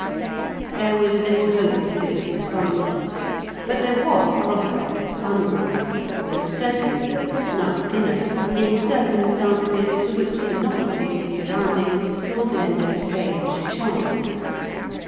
There was little hope of visible sunset; but there was a prospect of sunrise, and certainty of a snug dinner in circumstances to which the novelty of the surroundings would lend a strange charm.